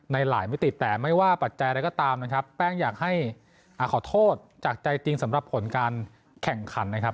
ในหลายมิติแต่ไม่ว่าปัจจัยอะไรก็ตามนะครับแป้งอยากให้ขอโทษจากใจจริงสำหรับผลการแข่งขันนะครับ